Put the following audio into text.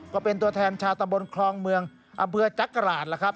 ก็เป็นตัวแทนชาวตำบลคลองเมืองอำเภอจักราชแล้วครับ